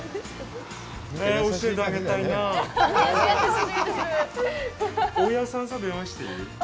え、教えてあげたいなあ。